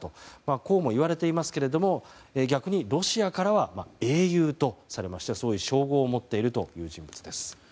こうも言われていますが逆にロシアからは英雄とされましてそういう称号を持っているという人物です。